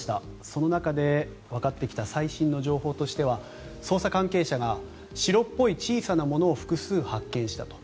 その中でわかってきた最新の情報としては捜査関係者が白っぽい小さなものを複数発見したと。